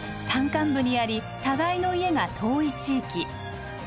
山間部にあり互いの家が遠い地域。